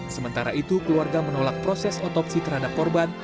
sementara itu keluarga menolak proses otopsi terhadap korban